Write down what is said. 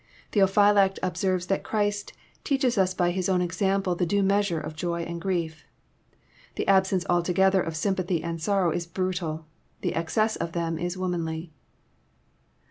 Theophylact observes that Christ <* teaches us by His own example the due measure of joy and grief. The absence alto gether of sympathy and sorrow is brutal : the excess of them is womanly."